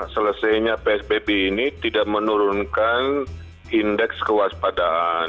selesainya psbb ini tidak menurunkan indeks kewaspadaan